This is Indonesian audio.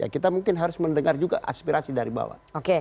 kita mungkin harus mendengar juga aspirasi dari bawah